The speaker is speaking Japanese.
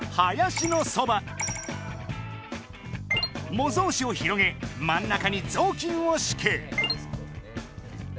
模造紙を広げまん中にぞうきんをしく。